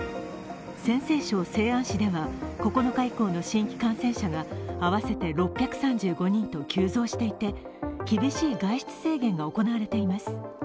陝西省西安市では９日以降の新規感染者が合わせて６３５人と急増していて厳しい外出制限が行われています。